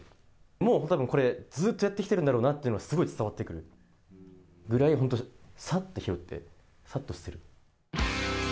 もうたぶんこれ、ずっとやってきてるんだろうなっていうのが、すごい伝わってくるぐらい本当、さって拾って、さっと捨てる。